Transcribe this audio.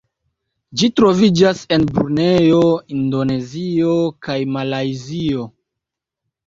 Ĝi troviĝas en Brunejo, Indonezio kaj Malajzio.